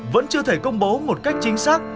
vẫn chưa thể công bố một cách chính xác